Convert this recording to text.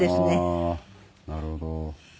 ああなるほど。